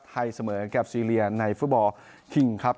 เสมอกับซีเรียในฟุตบอลคิงครับ